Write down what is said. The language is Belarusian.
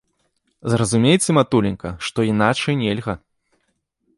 Зразумейце, матуленька, што іначай нельга.